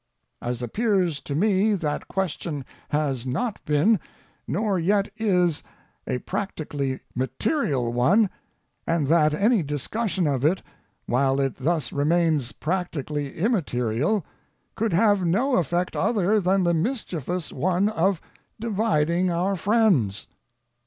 As appears to me that question has not been, nor yet is, a practically material one, and that any discussion of it, while it thus remains practically immaterial, could have no effect other than the mischievous one of dividing our friends.